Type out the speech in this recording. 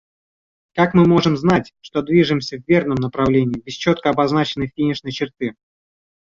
Как мы можем знать, что движемся в верном направлении, без четко обозначенной финишной черты?